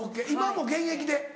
今も現役で？